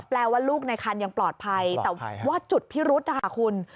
ว่าลูกในคันยังปลอดภัยแต่ว่าจุดพิรุษนะคะคุณ